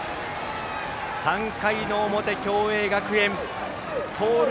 ３回の表、共栄学園盗塁